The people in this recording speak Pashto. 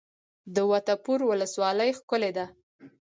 د وټه پور ولسوالۍ ښکلې ده